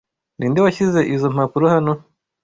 Ninde washyize izoi mpapuro hano?